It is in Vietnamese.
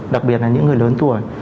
đặc biệt là những người lớn tuổi